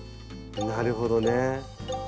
なるほどね。